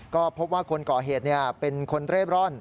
ก็พบว่าคนก่อเหตุเป็นคนเร่ร่อน